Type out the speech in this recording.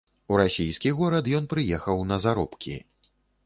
У расійскі горад ён прыехаў на заробкі.